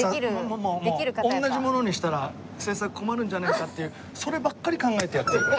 同じものにしたら制作困るんじゃねえかっていうそればっかり考えてやってるの。